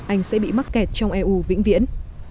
anh sẽ bị mắc kẹt trong eu vĩnh viễn